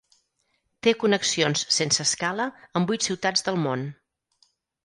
Té connexions sense escala amb vuit ciutats del món.